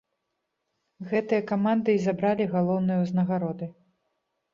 Гэтыя каманды і забралі галоўныя ўзнагароды.